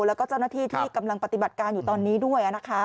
แล้วก็เจ้าหน้าที่ที่กำลังปฏิบัติการอยู่ตอนนี้ด้วย